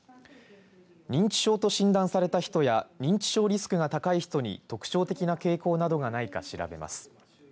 認知症と診断された人や認知症リスクが高い人に特徴的な傾向などがないか調べます。